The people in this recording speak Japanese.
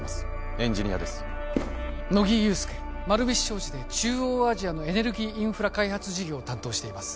エンジニアです乃木憂助丸菱商事で中央アジアのエネルギーインフラ開発事業を担当しています